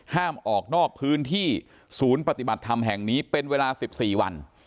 ห้ามออกนอกพื้นที่ศูนย์ปฏิบัติธรรมแห่งนี้เป็นเวลา๑๔วัน